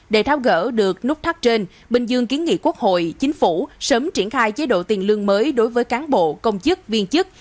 để tháo gỡ được nút thắt trên bình dương kiến nghị quốc hội chính phủ sớm triển khai chế độ tiền lương mới đối với cán bộ công chức viên chức